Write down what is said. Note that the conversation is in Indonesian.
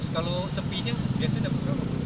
kalau sepi nya biasanya berapa